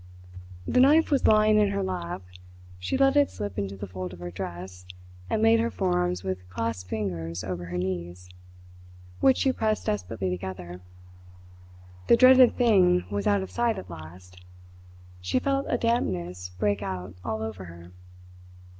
The knife was lying in her lap. She let it slip into the fold of her dress, and laid her forearms with clasped fingers over her knees, which she pressed desperately together. The dreaded thing was out of sight at last. She felt a dampness break out all over her.